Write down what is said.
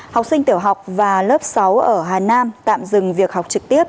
học sinh tiểu học và lớp sáu ở hà nam tạm dừng việc học trực tiếp